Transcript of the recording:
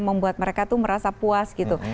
membuat mereka tuh merasa puas gitu